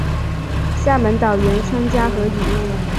厦门岛原称嘉禾屿。